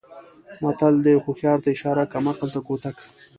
متل دی: هوښیار ته اشاره کم عقل ته کوتک.